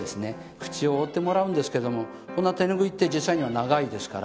口を覆ってもらうんですけどもこんな手ぬぐいって実際には長いですから。